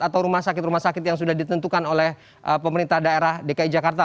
atau rumah sakit rumah sakit yang sudah ditentukan oleh pemerintah daerah dki jakarta